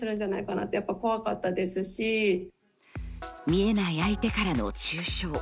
見えない相手からの中傷。